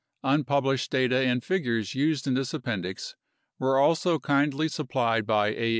Unpublished data and figures used in this Appendix were also kindly supplied by A.